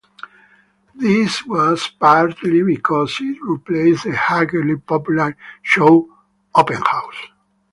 This was partly because it replaced the hugely popular show "Open House".